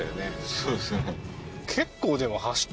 そうですね